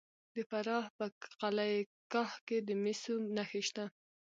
د فراه په قلعه کاه کې د مسو نښې شته.